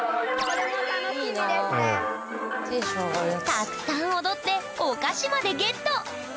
たくさん踊ってお菓子までゲット！